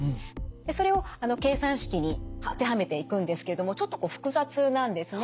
それを計算式に当てはめていくんですけれどもちょっとこう複雑なんですね。